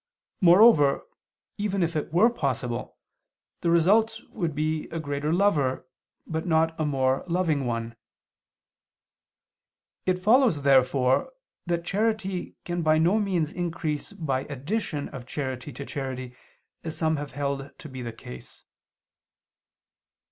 Moreover, even if it were possible, the result would be a greater lover, but not a more loving one. It follows, therefore, that charity can by no means increase by addition of charity to charity, as some have held to be the case.